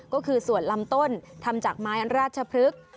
ก็คือส่วนลำต้นทำจากไม้ราชพฤกษ์